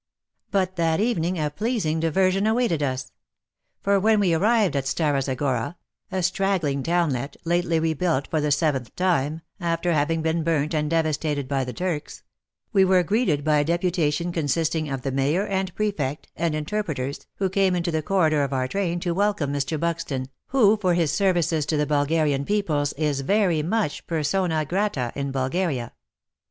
But that evening a pleasing diversion awaited us. For when we arrived at Stara Zagora — a straggling townlet, lately rebuilt for the seventh time, after having been burnt and devastated by the Turks — we were greeted by a deputation consisting of the Mayor and Prefect, and inter preters, who came into the corridor of our train to welcome Mr. Buxton, who for his services to the Bulgarian peoples is very much persona grata in Bulgaria.